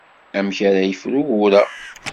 Amek ara yefru ugur-a?